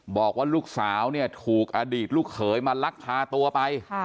บอกว่าลูกสาวเนี่ยถูกอดีตลูกเขยมาลักพาตัวไป